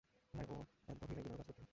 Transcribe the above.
ভাই ও এনতপ হিলের গুদামে কাজ করতো।